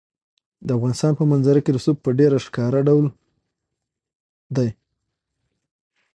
د افغانستان په منظره کې رسوب په ډېر ښکاره ډول دي.